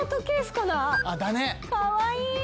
かわいい！